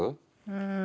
うん？